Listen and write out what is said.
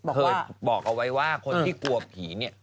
เคยบอกเอาไว้ว่าคนที่กลัวผีเนี่ย